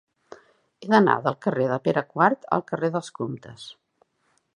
He d'anar del carrer de Pere IV al carrer dels Comtes.